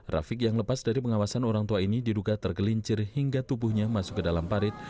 rafiq yang lepas dari pengawasan orang tua ini diduga tergelincir hingga tubuhnya masuk ke dalam parit